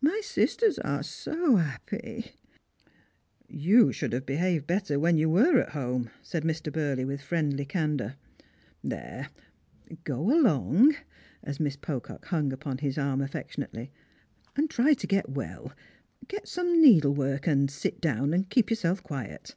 My sisters are so 'appy !"" You should have behaved better when you were at home," said Mr. Burley, with friendly candour. " There, go along," as Strangers and Pilgrims. 373 Misg Pocock hung upon his arm aflfectionately, " and try to get well; get some needlework, and sit down and keep yourself quiet."